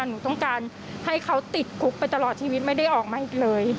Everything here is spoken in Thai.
หนูต้องการให้เขาติดคุกไปตลอดชีวิตไม่ได้ออกมาอีกเลย